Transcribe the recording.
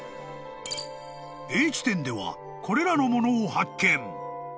［Ａ地点ではこれらのものを発見］